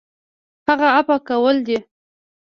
هغه عفوه کول دي .